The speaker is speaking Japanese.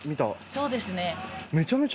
そうですね。